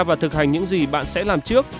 và thực hành những gì bạn sẽ làm trước